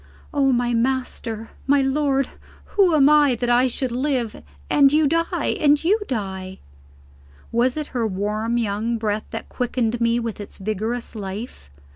"Oh, my master, my lord, who am I that I should live and you die! and you die!" Was it her warm young breath that quickened me with its vigorous life?